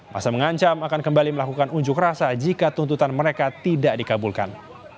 masa mengancam akan kembali melakukan unjuk rasa jika tuntutan mereka tidak dikabulkan